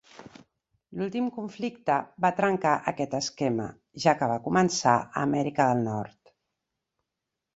L'últim conflicte va trencar aquest esquema, ja que va començar a Amèrica del Nord.